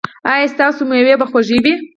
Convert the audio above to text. ایا ستاسو میوې به خوږې وي؟